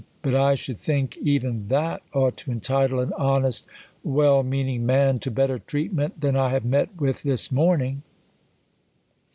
But I should think, even that ought to entitle an honest, well meaning man to bet ter treatment than I have met with this morning.